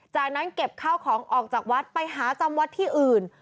จากนั้นเก็บข้าวของออกจากวัดไปหาจำวัดที่อื่น